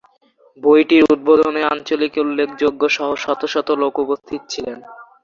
বইটির উদ্বোধনে আঞ্চলিক উল্লেখযোগ্য সহ শত শত লোক উপস্থিত ছিলেন।